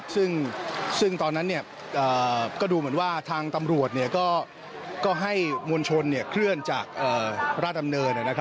ซึ่งตอนนั้นก็ดูเหมือนว่าทางตำรวจก็ให้มวลชนเคลื่อนจากราชดำเนิน